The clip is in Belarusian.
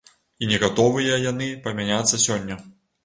І не гатовыя яны памяняцца сёння.